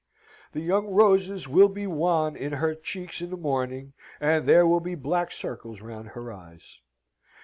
The young roses will be wan in her cheeks in the morning, and there will be black circles round her eyes.